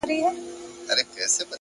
پرمختګ د وېرې تر پولې هاخوا وي؛